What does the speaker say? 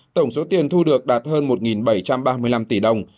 tổng số tiền thu được đạt hơn một bảy trăm ba mươi năm tỷ đồng